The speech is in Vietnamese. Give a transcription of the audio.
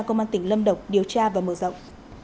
công an tỉnh lâm đồng điều tra và mở rộng